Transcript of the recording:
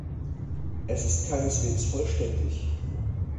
Es ist keineswegs vollständig.